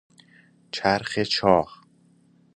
چرخ چاه